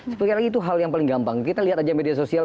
sekali lagi itu hal yang paling gampang kita lihat aja media sosial